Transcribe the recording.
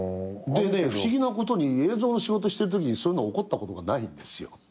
でね不思議なことに映像の仕事してるときにそういうの起こったことがないんですよ